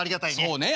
そうね。